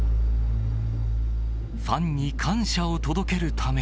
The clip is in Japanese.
ファンに感謝を届けるため。